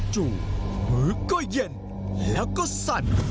จู่มือก็เย็นแล้วก็สั่น